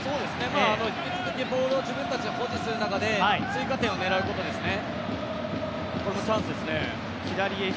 引き続きボールを自分たちで保持する中で追加点を狙うことですね。